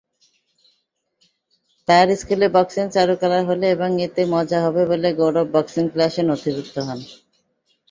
তার স্কুলে বক্সিং চালু করা হলে এবং এতে মজা হবে বলে গৌরব বক্সিং ক্লাসে নথিভুক্ত হন।